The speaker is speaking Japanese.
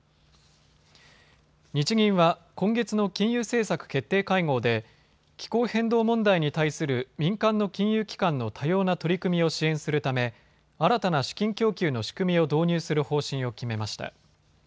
日銀は今月の金融政策決定会合で気候変動問題に対する民間の金融機関の多様な取り組みを支援するため新たな資金供給の仕組みを導入する方針を決めました。